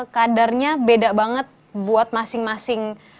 kadarnya beda banget buat masing masing